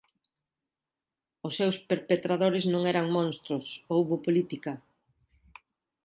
Os seus perpetradores non eran monstros, houbo política.